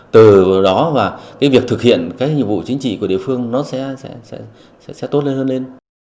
từ đó và cái việc thực hiện cái nhiệm vụ chính trị của địa phương nó sẽ tốt lên hơn lên